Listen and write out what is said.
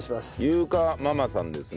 ゆうかママさんですね。